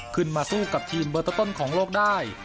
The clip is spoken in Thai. ขึ้นมาสู้กับทีมเบอร์ต้นของโลกได้